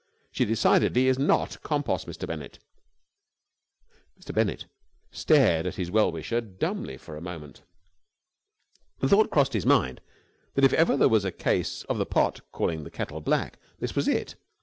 She decidedly is not compos, Mr. Bennett!" Mr. Bennett stared at his well wisher dumbly for a moment. The thought crossed his mind that, if ever there was a case of the pot calling the kettle black, this was it.